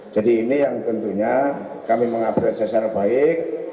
jadi ini yang tentunya kami mengapresiasi secara baik